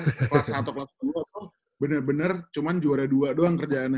kelas satu kelas dua bener bener cuma juara dua doang kerjaannya